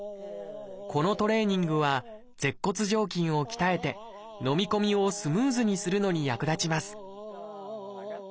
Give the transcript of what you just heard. このトレーニングは舌骨上筋を鍛えてのみ込みをスムーズにするのに役立ちます